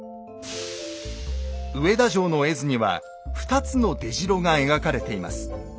上田城の絵図には２つの出城が描かれています。